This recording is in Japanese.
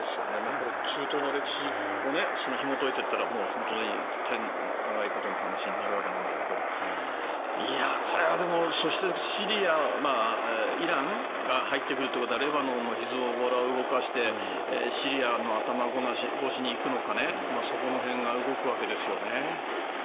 これは中東の歴史をひもといていったら本当に大変長いことの話になるわけだけどこれはイランが入ってくるということはレバノンのヒズボラを動かしてシリアの頭越しに行くのかそこら辺が動くわけですよね。